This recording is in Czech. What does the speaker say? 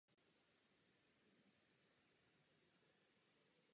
Jenže česká šlechta nechtěla silného panovníka.